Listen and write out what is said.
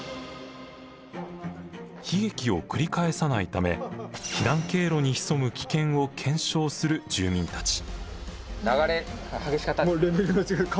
悲劇を繰り返さないため避難経路に潜む危険を検証する住民たち。